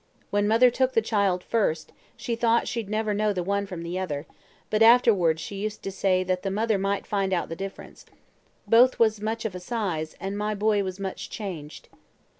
When mother took the child first, she thought she'd never know the one from the other; but afterwards she used to say that the mother might find out the difference. Both was much of a size, and my boy was much changed."